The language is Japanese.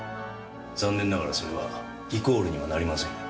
残念ながらそれはイコールにはなりませんよ。